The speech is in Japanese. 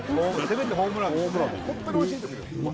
せめてホームランですよね